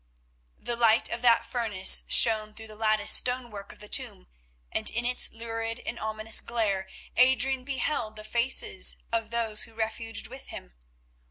The light of that furnace shone through the lattice stonework of the tomb, and in its lurid and ominous glare Adrian beheld the faces of those who refuged with him.